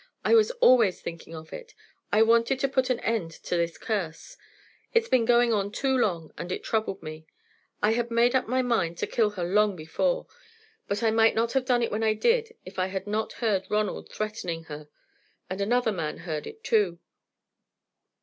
I was always thinking of it. I wanted to put an end to this curse. It's been going on too long, and it troubled me. I had made up my mind to kill her long before; but I might not have done it when I did if I had not heard Ronald threatening her, and another man heard it too.